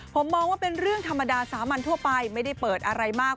ผมมองว่าเป็นเรื่องธรรมดาสามัญทั่วไปไม่ได้เปิดอะไรมาก